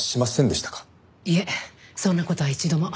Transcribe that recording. いえそんな事は一度も。